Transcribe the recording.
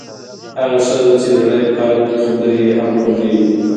هغه ښځه چې زړه يې پاک وي، خبرې يې هم خوږې وي.